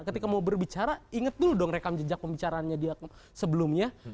ketika mau berbicara inget dulu dong rekam jejak pembicaraannya dia sebelumnya